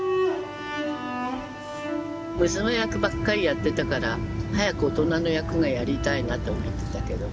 娘役ばっかりやってたから早く大人の役がやりたいなと思ってたけど。